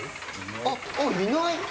あっ、いない。